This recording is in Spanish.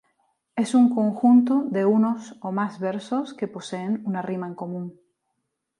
Es un conjunto de unos o más versos que poseen una rima común.